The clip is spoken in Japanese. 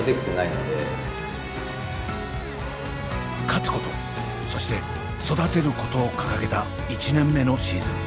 勝つことそして育てることを掲げた１年目のシーズン。